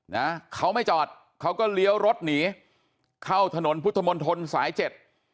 นะเขาไม่จอดเขาก็เลี้ยวรถหนีเข้าถนนพุทธมนตรสายเจ็ด